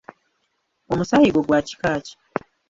Omusaayi gwo gwa kika ki?